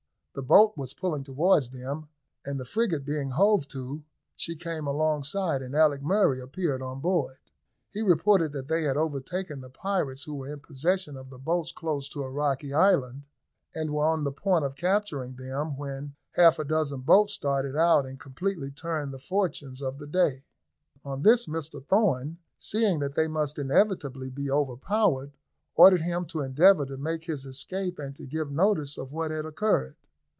The boat was pulling towards them, and the frigate being hove to, she came alongside, and Alick Murray appeared on board. He reported that they had overtaken the pirates who were in possession of the boats close to a rocky island, and were on the point of capturing them when half a dozen boats started out and completely turned the fortunes of the day. On this, Mr Thorn, seeing that they must inevitably be overpowered, ordered him to endeavour to make his escape, and to give notice of what had occurred.